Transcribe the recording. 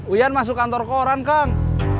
uyan masuk kantor koran kang